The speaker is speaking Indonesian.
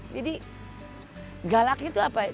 jadi galaknya itu apa ya